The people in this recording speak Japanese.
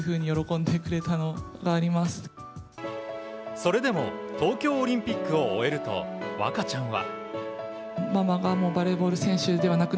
それでも東京オリンピックを終えると和香ちゃんは。